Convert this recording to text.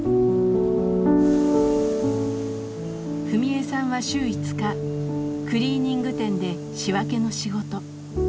史恵さんは週５日クリーニング店で仕分けの仕事。